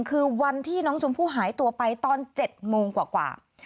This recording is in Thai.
คือวันที่น้องชมพู่หายตัวไปตอน๗โมงกว่า